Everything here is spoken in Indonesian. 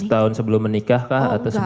setahun sebelum menikah kak atau sebulan